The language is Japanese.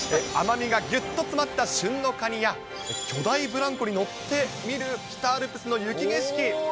甘みがぎゅっと詰まった旬のカニや、巨大ブランコに乗って見る北アルプスの雪景色。